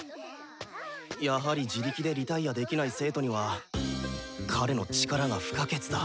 やはり自力でリタイアできない生徒には彼の力が不可欠だ。